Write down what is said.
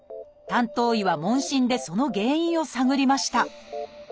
担当医は問診でその原因を探りました。